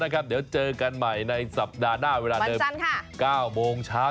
เดี๋ยวเจอกันใหม่ในสัปดาห์หน้าเวลาเดิม๙โมงเช้า